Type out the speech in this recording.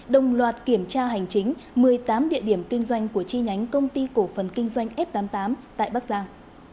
đồng loạt kiểm tra hành chính một mươi tám địa điểm kinh doanh của chi nhánh công ty cổ phần kinh doanh f tám mươi tám tại bắc giang